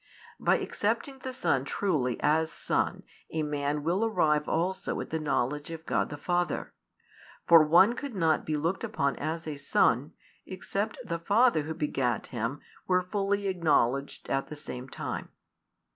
By accepting the Son truly as Son a man will arrive also at the knowledge of God the Father: for one could not be looked upon as a son, except the father who |244 begat him were fully acknowledged at the same time.